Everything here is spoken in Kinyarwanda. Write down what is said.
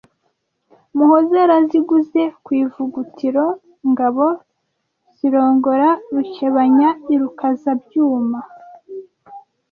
Muhoza yaraziguze ku Ivugutiro Ngabo zirongora Rukebanya i Rukaza-byuma